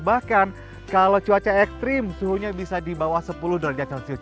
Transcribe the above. bahkan kalau cuaca ekstrim suhunya bisa di bawah sepuluh derajat celcius